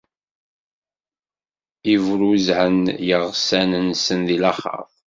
I bruzzɛen yiɣsan-nneɣ di laxert.